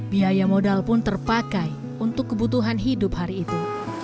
biaya modal pun terpakai untuk kebutuhan hidup hari itu